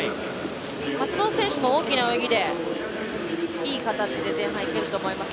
松元選手も大きな泳ぎでいい形で前半いけると思います。